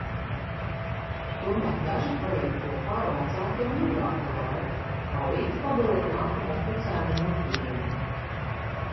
Tomēr daži paliek kopā ar vecākiem ilgāku laiku un palīdz pabarot nākamo kucēnu metienu.